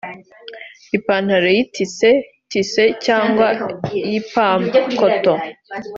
ipantaro y’itisi (tissus) cyangwa y’ipamba (coton)